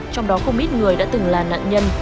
trong đó không ít người đã từng là nạn nhân